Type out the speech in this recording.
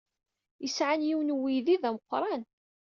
Yesɛa yiwen n uydi d ameqran.